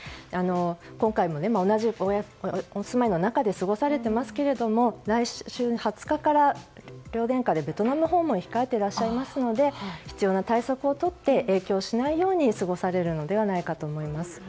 今回も同じお住いの中で過ごされていますが来週２０日から両殿下でベトナム訪問を控えていらっしゃいますので必要な対策をとって影響しないように過ごされるのではないかと思います。